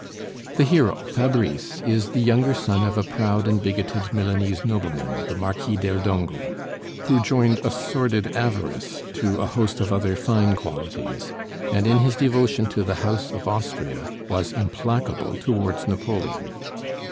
The hero, Fabrice, is the younger son of a proud and bigoted Milanese nobleman, the Marquis del Dongo, who "joined a sordid avarice to a host of other fine qualities," and in his devotion to the House of Austria was implacable towards Napoleon.